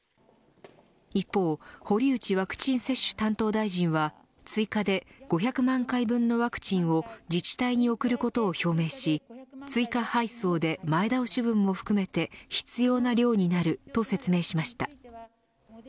一方、堀内ワクチン接種担当大臣は追加で５００万回分のワクチンを自治体に送ることを表明し追加配送で前倒し分も含めて必要な量になると説明しました。